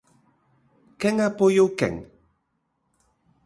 Quen apoiou quen?